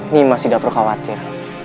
nimas tidak perlu khawatir